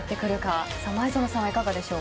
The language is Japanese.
前園さんはいかがでしょうか？